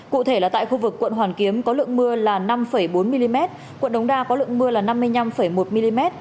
cụ thể là tại khu vực quận hoàn kiếm có lượng mưa là năm bốn mm quận đống đa có lượng mưa là năm mươi năm một mm